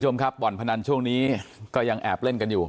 คุณผู้ชมครับบ่อนพนันช่วงนี้ก็ยังแอบเล่นกันอยู่